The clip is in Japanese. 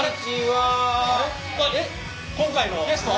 えっ今回のゲスト！？